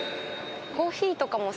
コーヒーとかも好き。